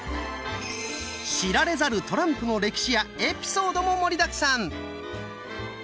知られざるトランプの歴史やエピソードも盛りだくさん！